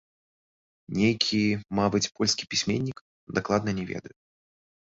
Нейкі, мабыць, польскі пісьменнік, дакладна не ведаю.